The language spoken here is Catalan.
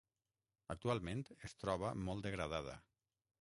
Actualment es troba molt degradada.